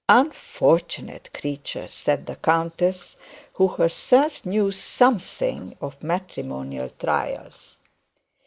'Unfortunate creature!' said the countess, who herself knew something of matrimonial trials.